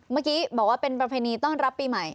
เมื่อกี้บอกว่าเป็นประเพณีต้อนรับปีใหม่